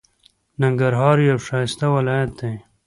ننګرهار یو ښایسته ولایت دی.